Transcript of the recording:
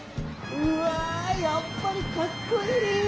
うわやっぱりかっこいい！